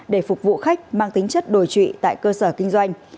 để phục vụ khách mang tính chất đổi trụy tại cơ sở kinh doanh